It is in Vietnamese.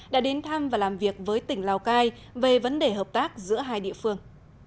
đã đến thăm và làm việc với tỉnh lào cai về vấn đề hợp tác giữa hai địa phương